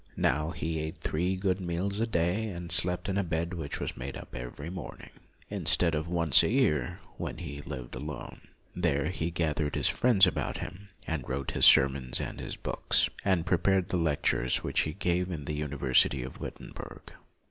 Now he ate three good meals a day, and slept in a bed which was made up every morning, instead of once a year as when he lived alone. There he gathered his friends about him, and wrote his sermons and his books, and prepared the lectures which he gave in the University of Wittenberg.